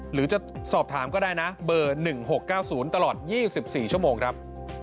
หรือจะสอบถามก็ได้นะเบอร์๑๖๙๐ตลอด๒๔ชั่วโมงครับ